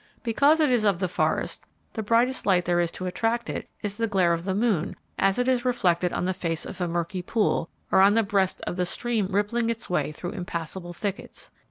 Because it is of the forest, the brightest light there is to attract it is the glare of the moon as it is reflected on the face of a murky pool, or on the breast of the stream rippling its way through impassable thickets.